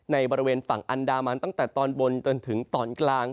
ในบริเวณฝั่งอันดามันตั้งแต่ตอนบนจนถึงตอนกลาง